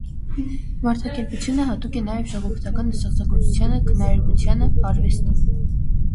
Մարդակերպությունը հատուկ է նաև ժողովրդական ստեղծագործությանը, քնարերգությանը, արվեստին։